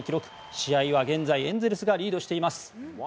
試合は現在、エンゼルスがリードしています。